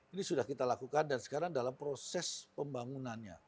ini sudah kita lakukan dan sekarang dalam proses pembangunannya